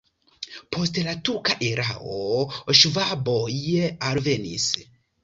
Post la turka erao ŝvaboj alvenis.